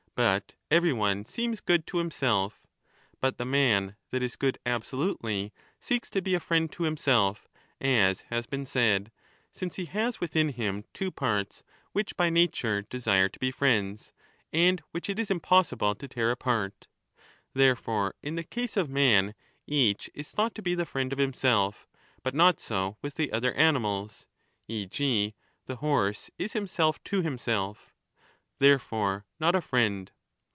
But every one seems good to himself. But the man that is ^i^ o .•^^. good absolutely, seeks to be a friend to himself, as has J^ 1^ been said,^ since he has within him two parts which by >;'^ 30 fixture desire to be friends and which it is impossible 3^ i^ ^^^^ to tear apart. Therefore in the case of man each is thought r.'^.'v*^^^^ to be the friend of himself; but not so with the other animals ; e. g. the horse is himself to himself ..." therefore not a friend.